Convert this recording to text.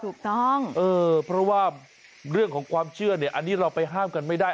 เออเพราะว่าเรื่องของความเชื่อเนี่ยอันนี้เราไปห้ามกันไม่ได้